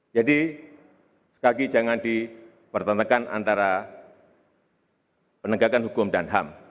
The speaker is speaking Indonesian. sekali lagi jangan dipertenakan antara penegakan hukum dan ham